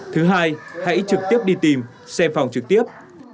thứ hai hãy trực tiếp đi tìm xem phòng trực tiếp